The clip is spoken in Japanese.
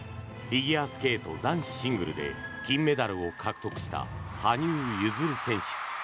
フィギュアスケート男子シングルで金メダルを獲得した羽生結弦選手。